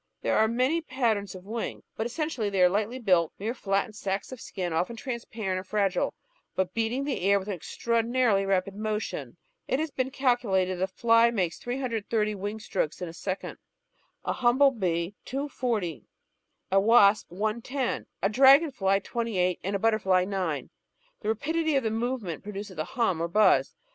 There are many patterns of wings, but essentially they are lightly built, mere flattened sacs of skin, often transparent and fragile, but beating the air with an extraordinarily rapid motion. It has been calculated that a fly makes 330 wing strokes in a second, a hum ble bee 240, a wasp 110, a dragon fly 28, and a butterfly 9. The rapidity of the movement produces a hum or buzz.